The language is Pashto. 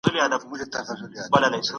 د وینې لوړ فشار خطرناک دی.